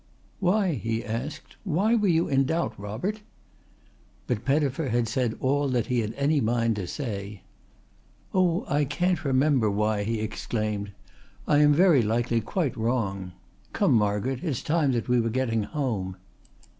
"Why?" he asked. "Why were you in doubt, Robert?" But Pettifer had said all that he had any mind to say. "Oh, I can't remember why," he exclaimed. "I am very likely quite wrong. Come, Margaret, it's time that we were getting home."